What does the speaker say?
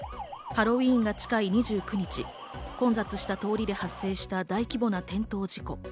ハロウィーンが近い２９日、混雑した通りで発生した大規模な転倒事故。